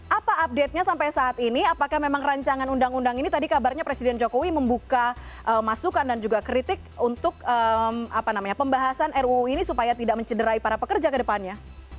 apa update nya sampai saat ini apakah memang rancangan undang undang ini tadi kabarnya presiden jokowi membuka masukan dan juga kritik untuk pembahasan ruu ini supaya tidak mencederai para pekerja ke depannya